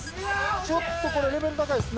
ちょっとこれ、レベル高いですね。